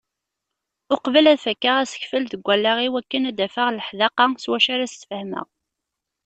Uqbel ad fakkeɣ asekfel deg wallaɣ-iw akken ad d-afeɣ leḥdaqa s wacu ara as-sfehmeɣ.